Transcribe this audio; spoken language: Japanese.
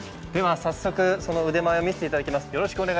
早速、その腕前を見せていただきます。